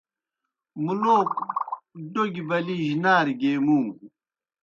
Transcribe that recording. مُلوک ڈوگیْ بلِی جیْ نارہ گیے مُوں۔